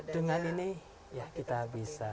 dengan ini kita bisa